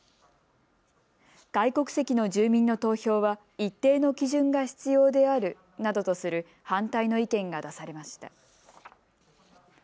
外国籍の住民の投票は一定の基準が必要であるなどとする反対の意見が出されました。